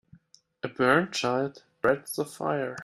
A burnt child dreads the fire.